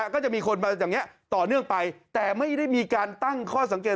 ก็จะมีคนมาอย่างนี้ต่อเนื่องไปแต่ไม่ได้มีการตั้งข้อสังเกต